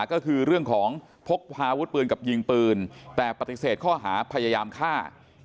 ก็คือเรื่องของพกพาอาวุธปืนกับยิงปืนแต่ปฏิเสธข้อหาพยายามฆ่า